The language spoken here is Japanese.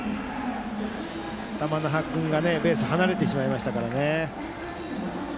玉那覇君がベースを離れてしまいましたからね。